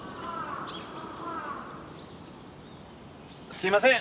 すみません！